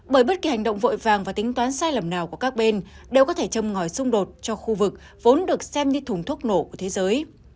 bởi bất kỳ hành động vội vàng và tính toán sai lầm nào của các bên đều có thể châm ngòi xung đột cho khu vực vốn được xem như thùng thuốc nổ của thế giới